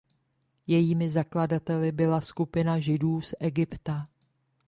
Jejími zakladateli byla skupina Židů z Egypta.